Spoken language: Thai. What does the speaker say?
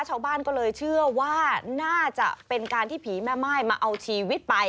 ชาวบ้านก็เลยเชื่อว่าน่าจะเป็นการที่ผีแม่ม่ายมาเอาชีวิตไป